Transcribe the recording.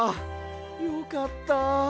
よかった！